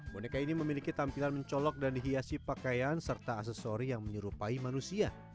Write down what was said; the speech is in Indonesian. boneka ini memiliki tampilan mencolok dan dihiasi pakaian serta aksesori yang menyerupai manusia